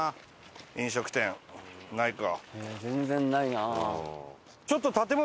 飲食店ないか。